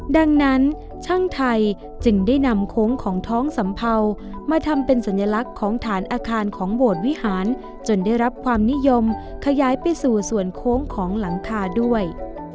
ดังนั้นช่างไทยจึงได้นำโค้งของท้องสัมเภามาทำเป็นสัญลักษณ์ของฐานอาคารของโบสถ์วิหารจนได้รับความนิยมขยายไปสู่ส่วนโค้งของหลังคาด้วย